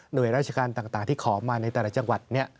โดยราชการต่างที่ขอมาในแต่ละจังหวัด